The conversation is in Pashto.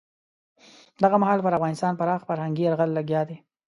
دغه مهال پر افغانستان پراخ فرهنګي یرغل لګیا دی.